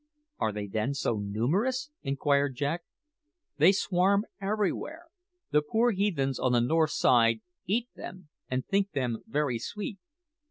"Are they, then, so numerous?" inquired Jack. "They swarm everywhere. The poor heathens on the north side eat them, and think them very sweet.